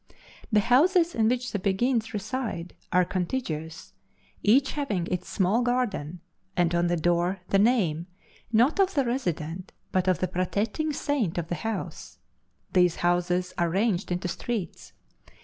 The houses in which the Beguines reside are contiguous, each having its small garden, and on the door the name, not of the resident, but of the protecting saint of the house; these houses are ranged into streets.